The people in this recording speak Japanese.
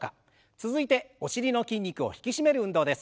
続いてお尻の筋肉を引き締める運動です。